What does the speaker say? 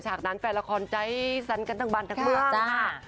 นั้นแฟนละครใจสันกันทั้งบันทั้งเมืองจ้า